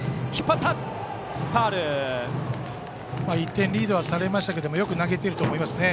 １点リードされましたがよく投げていると思いますね。